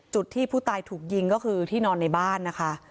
จุดที่ผู้ตายถูกยิงก็คือที่นอนในบ้านนะคะ